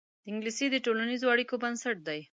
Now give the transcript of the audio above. انګلیسي د ټولنیزو اړیکو بنسټ دی